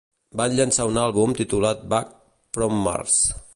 Van llançar un àlbum titulat "Back From Mars".